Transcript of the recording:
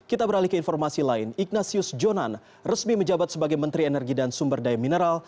kita beralih ke informasi lain ignatius jonan resmi menjabat sebagai menteri energi dan sumber daya mineral